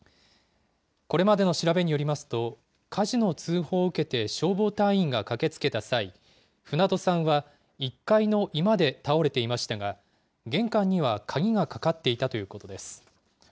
これまでの調べによりますと、火事の通報を受けて、消防隊員が駆けつけた際、船戸さんは１階の居間で倒れていましたが、玄関には鍵がかかっていたということです。